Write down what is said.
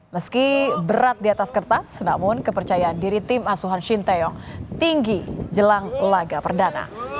meski berat di atas kertas namun kepercayaan diri tim asuhan shin taeyong tinggi jelang laga perdana